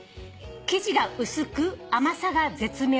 「生地が薄く甘さが絶妙。